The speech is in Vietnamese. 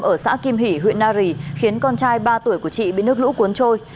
ở xã kim hỷ huyện nari khiến con trai ba tuổi của chị bị nước lũ cuốn trôi